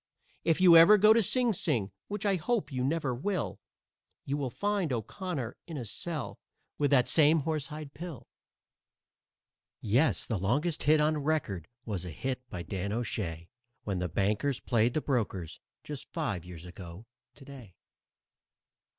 If you ever go to Sing Sing, which I hope you never will, You'll find O'Connor in a cell with that same horsehide pill. _Yes, the longest hit on record was a hit by Dan O'Shay, When the Bankers played the Brokers, just five years ago to day.